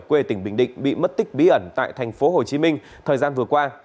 quê tỉnh bình định bị mất tích bí ẩn tại tp hcm thời gian vừa qua